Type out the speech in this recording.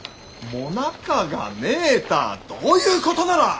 ・もなかがねえたあどういうことなら！